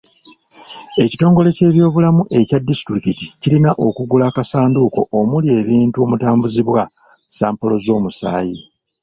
Ekitongole ky'ebyobulamu ekya disitulikiti kiyina okugula akasanduuko omuli ebintu omutambuzibwa sampolo z'omusaayi.